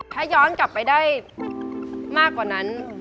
ถ้าย้อนกลับไปได้มากกว่านั้น